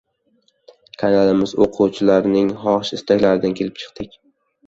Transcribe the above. Kanalimiz oʻquvchilarining xohish-istaklaridan kelib chiqdik.